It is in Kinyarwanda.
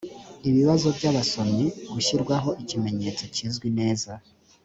ibibazo by abasomyi gushyirwaho ikimenyetso kizwi neza